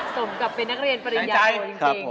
สมกับเป็นนักเรียนปริญญาโทจริง